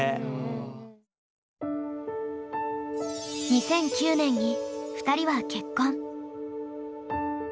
２００９年に２人は結婚。